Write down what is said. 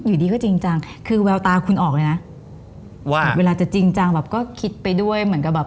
อยู่ดีก็จริงจังคือแววตาคุณออกเลยนะว่าเวลาจะจริงจังแบบก็คิดไปด้วยเหมือนกับแบบ